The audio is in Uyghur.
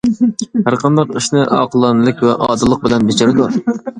ھەرقانداق ئىشنى ئاقىلانىلىك ۋە ئادىللىق بىلەن بېجىرىدۇ.